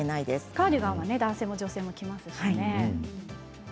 カーディガンは男性も女性も着ますからね。